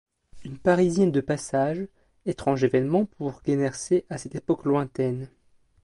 Une parisienne de passage, étrange évènement pour Guernesey à cette époque lointaine.